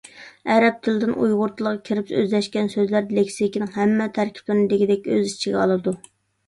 ئەرەب تىلىدىن ئۇيغۇر تىلىغا كىرىپ ئۆزلەشكەن سۆزلەر لېكسىكىنىڭ ھەممە تەركىبلىرىنى دېگۈدەك ئۆز ئىچىگە ئالىدۇ.